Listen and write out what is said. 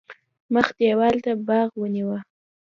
مخ دېوال ته باغ ونیو.